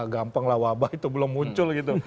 gampang lah wabah itu belum muncul gitu